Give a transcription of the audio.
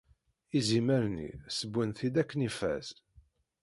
Izimer-nni ssewwen-t-id akken ifaz.